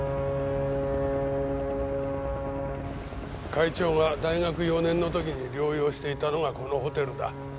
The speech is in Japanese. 会長が大学４年の時に療養していたのがこのホテルだ。